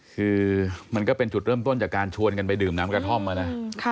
คือมันก็เป็นจุดเริ่มต้นจากการชวนกันไปดื่มน้ำกระท่อมนะ